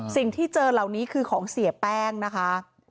สิ่งที่เจอเหล่านี้คือของเสียแป้งนะคะ